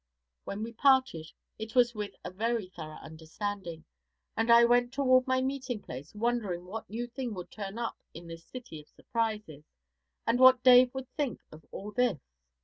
When we parted it was with a very thorough understanding, and I went toward my meeting place wondering what new thing would turn up in this city of surprises, and what Dave would think of all this.